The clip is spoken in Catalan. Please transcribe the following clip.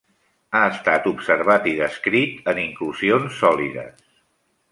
Ha estat observat i descrit en inclusions sòlides.